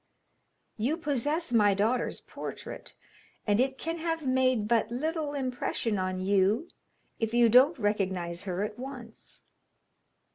'You possess my daughter's portrait, and it can have made but little impression on you if you don't recognise her at once.'